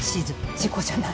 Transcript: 事故じゃない。